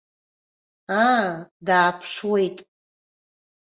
Аа, дааԥшуеит.